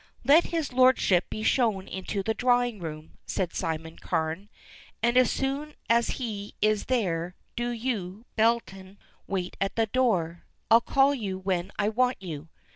"Let his lordship be shown into the drawing room," said Simon Carne, "and as soon as he is there do you, Belton, wait at the door. I'll call you when I want you."